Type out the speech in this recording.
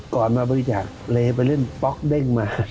มาบริจาคเลไปเล่นป๊อกเด้งมา